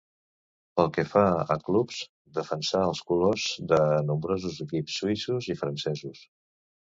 Pel que fa a clubs, defensà els colors de nombrosos equips suïssos i francesos.